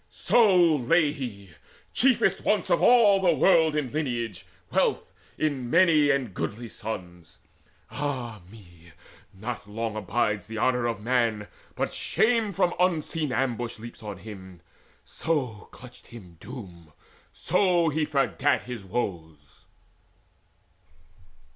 So lay he, chiefest once of all the world In lineage, wealth, in many and goodly sons. Ah me, not long abides the honour of man, But shame from unseen ambush leaps on him So clutched him Doom, so he forgat his woes.